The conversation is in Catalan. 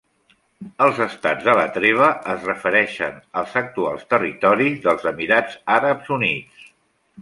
Els Estats de la Treva es refereixen als actuals territoris dels Emirats Àrabs Units.